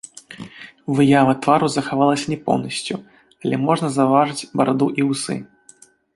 Выява твару захавалася не поўнасцю, але можна заўважыць бараду і вусы.